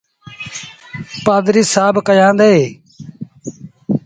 پآڌريٚ سآب ڪيآندي ۔